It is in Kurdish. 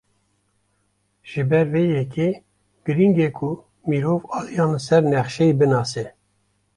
Ji ber vê yekê, girîng e ku mirov aliyan li ser nexşeyê binase.